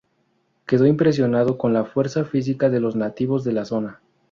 Quedó impresionado con la fuerza física de los nativos de la zona.